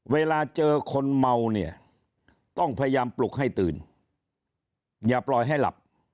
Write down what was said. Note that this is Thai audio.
เวลาเจอคนเมาเนี่ยต้องพยายามปลุกให้ตื่นอย่าปล่อยให้หลับ